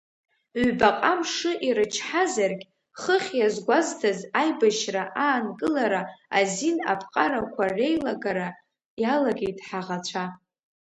Ҩбаҟа мшы ирычҳазаргь, хыхь иазгәасҭаз аибашьра аанкылара азин аԥҟарақәа реилагара иалагеит ҳаӷацәа.